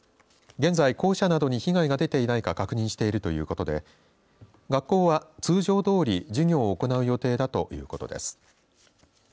現在、校舎などに被害が出ていないか確認しているということで学校は通常どおり授業を行う予定だということです。